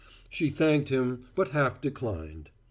She thanked him, but half declined.